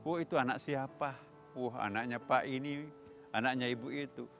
oh itu anak siapa oh anaknya pak ini anaknya ibu itu